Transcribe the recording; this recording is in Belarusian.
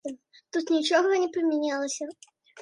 Тут нічога не памянялася.